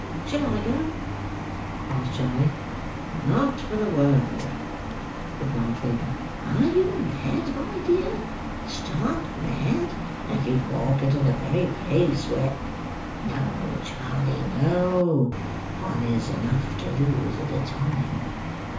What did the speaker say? "Shall I go?" asked Charley. "Not for the world," replied Fagin. "Are you mad, my dear, stark mad, that you'd walk into the very place where—No, Charley, no. One is enough to lose at a time."